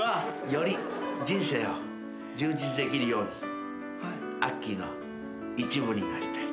「より人生を充実できるようにあっきーの一部になりたい」